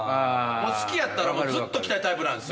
好きやったらずっと着たいタイプなんすよ。